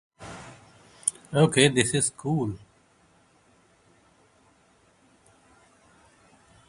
The body shape shadows the designs of Fender's Jazzmaster and Jaguar guitars.